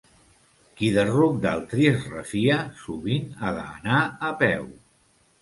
Qui de ruc d'altri es refia, sovint ha d'anar a peu.